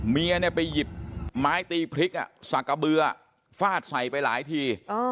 เมียเนี่ยไปหยิบไม้ตีพริกอ่ะสากเบลือฟาดใส่ไปหลายที